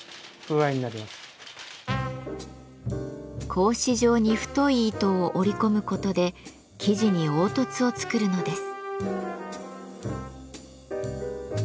格子状に太い糸を織り込むことで生地に凹凸を作るのです。